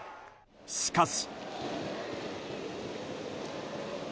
しかし。